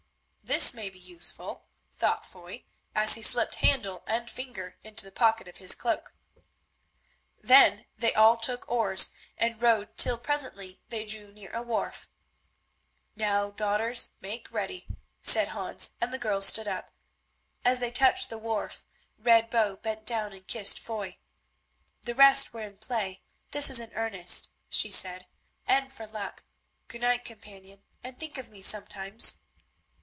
"This may be useful," thought Foy, as he slipped handle and finger into the pocket of his cloak. Then they all took oars and rowed till presently they drew near a wharf. "Now, daughters, make ready," said Hans, and the girls stood up. As they touched the wharf Red Bow bent down and kissed Foy. "The rest were in play, this is in earnest," she said, "and for luck. Good night, companion, and think of me sometimes."